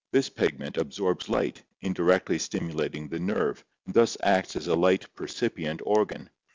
This pigment absorbs light, indirectly stimulating the nerve, and thus acts as a light percipient organ.